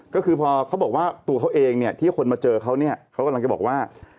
ก็คือพอเขาบอกว่าตัวเขาเองเนี่ยที่คนมาเจอเขาเนี่ยเขากำลังจะบอกว่า